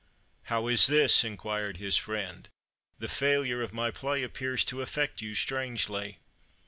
"How is this?" inquired his friend. "The failure of my play appears to affect you strangely."